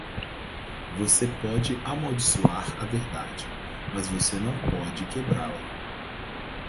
Você pode amaldiçoar a verdade, mas você não pode quebrá-la.